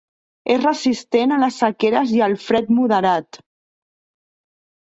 És resistent a les sequeres i el fred moderat.